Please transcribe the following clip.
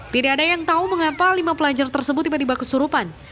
tidak ada yang tahu mengapa lima pelajar tersebut tiba tiba kesurupan